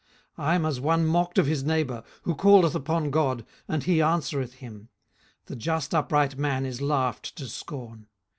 18:012:004 I am as one mocked of his neighbour, who calleth upon God, and he answereth him: the just upright man is laughed to scorn.